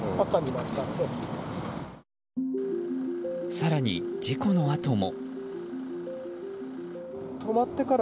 更に、事故のあとも。